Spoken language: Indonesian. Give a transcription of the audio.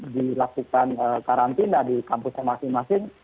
dilakukan karantina di kampusnya masing masing